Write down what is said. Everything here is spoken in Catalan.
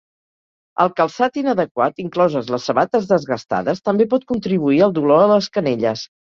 El calçat inadequat, incloses les sabates desgastades, també pot contribuir al dolor a les canelles.